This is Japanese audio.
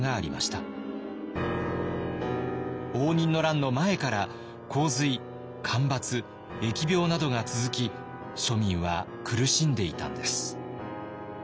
応仁の乱の前から洪水干ばつ疫病などが続き庶民は苦しんでいたんです。